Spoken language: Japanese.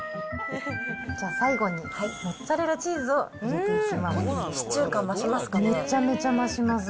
じゃあ最後に、モッツァレラチーズを入れていきます。